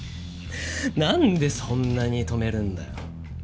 なんでそんなに止めるんだよ。